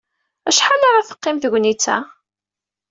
Acḥal ara teqqim tegnit-a?